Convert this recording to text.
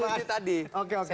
setan sudah diikat